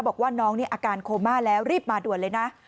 บอกว่าน้องนี่อาการโคม่าแล้วรีบมาด่วนเลยนะ